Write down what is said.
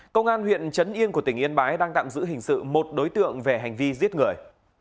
công an huyện trấn yên của tỉnh yên bái đang tạm giữ hình sự một đối tượng về hành vi giết người